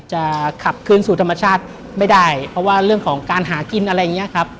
จะขับคืนสู่ธรรมชาติไม่ได้เพราะว่าเรื่องของการหากินอะไรอย่างเงี้ยครับ